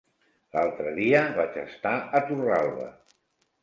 L'altre dia vaig estar a Torralba.